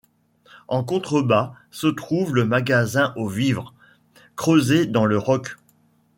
En contrebas se trouve le magasin aux vivres, creusé dans le roc.